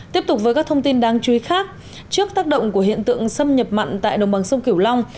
tiếp tục với các thông tin đáng chú ý khác trước tác động của hiện tượng xâm nhập mặn tại đồng bằng sông kiểu long